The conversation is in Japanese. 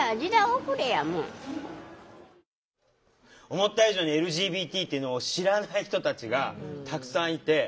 思った以上にＬＧＢＴっていうのを知らない人たちがたくさんいて。